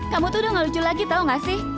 kamu tuh udah gak lucu lagi tau gak sih